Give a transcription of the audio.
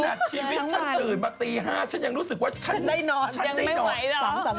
ขนาดชีวิตฉันตื่นมาตี๕ฉันยังรู้สึกว่าฉันนี่นอนฉันได้นอนยังไม่ไหวเหรอ